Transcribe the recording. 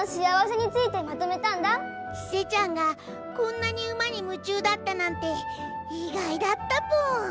ちせちゃんがこんなに馬にむ中だったなんてい外だったぽん！